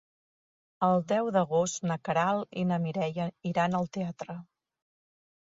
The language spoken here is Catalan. El deu d'agost na Queralt i na Mireia iran al teatre.